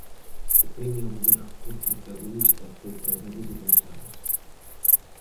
O premio ao mellor actor protagonista foi para Davide González.